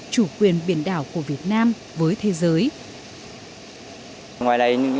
chủ quyền biển đảo của việt nam với thế giới